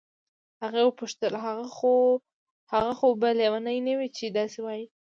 هغې وپوښتل هغه خو به لیونی نه وي چې داسې وایي.